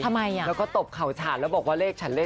แล้วก็ตบเขาฉันแล้วบอกว่าเลขฉัน